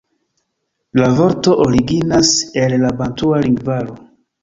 La vorto originas el la bantua lingvaro.